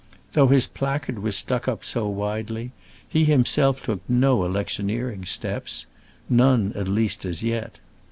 Though his placard was stuck up so widely, he himself took no electioneering steps; none, at least, as yet.